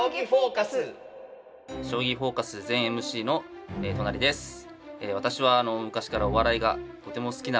「将棋フォーカス」前ＭＣの都成です。